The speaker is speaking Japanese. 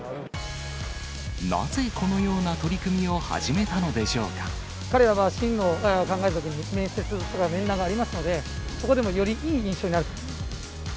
なぜこのような取り組みを始彼らは進路を考えたときに、面接とか面談がありますので、そこでもよりいい印象になる。